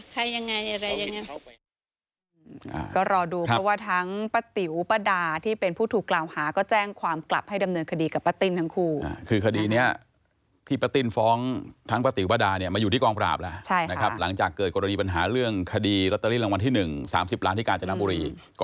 คงรู้แหละค่ะว่าใครยังไง